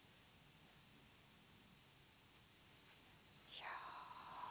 いや。